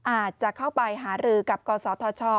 อาจจะเข้าไปหารือกับกศธช